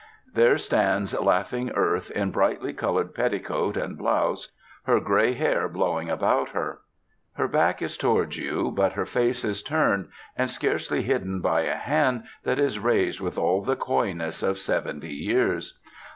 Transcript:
There stands Laughing Earth, in brightly coloured petticoat and blouse, her grey hair blowing about her. Her back is towards you, but her face is turned, and scarcely hidden by a hand that is raised with all the coyness of seventy years.